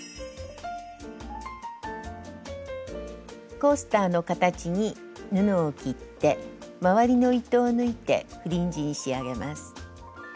コースターの形に布を切って周りの糸を抜いてフリンジに仕上げます。